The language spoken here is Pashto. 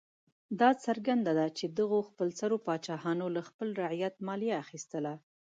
دا څرګنده ده چې دغو خپلسرو پاچاهانو له خپل رعیت مالیه اخیستله.